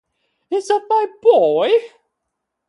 Is that my boy?